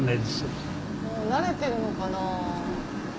もう慣れてるのかな。